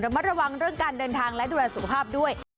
มาระวังเรื่องการเดินทางและดูแลสุขภาพด้วย